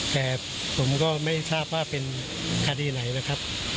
แต่ผมก็ไม่ทราบว่าเป็นคดีไหนนะครับ